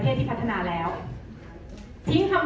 อ๋อแต่มีอีกอย่างนึงค่ะ